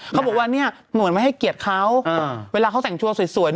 เขาบอกว่าเหมือนไม่ให้เกียรติเขาเวลาเขาแต่งชัวร์สวย